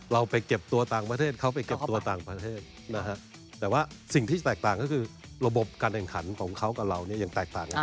เราไปเก็บตัวต่างประเทศเขาไปเก็บตัวต่างประเทศนะฮะแต่ว่าสิ่งที่แตกต่างก็คือระบบการแข่งขันของเขากับเราเนี่ยยังแตกต่างกัน